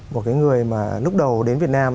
một người mà lúc đầu đến việt nam